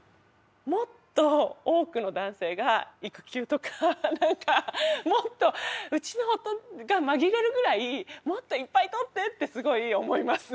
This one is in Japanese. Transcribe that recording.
もっと多くの男性が育休とかもっとうちの夫が紛れるぐらいもっといっぱい取ってってすごい思います。